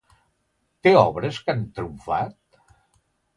Té obres que han triomfat?